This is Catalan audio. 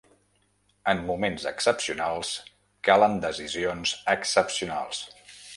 En moments excepcionals, calen decisions excepcionals.